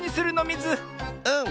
うん！